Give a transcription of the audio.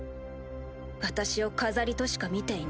私を飾りとしか見ていない。